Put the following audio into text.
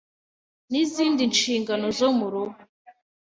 n’izindi nshingano zo mu rugo,